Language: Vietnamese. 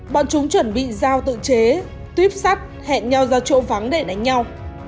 bọn chúng chuẩn bị giao tự chế tuyếp sắt hẹn nhau ra chỗ vắng để đánh nhau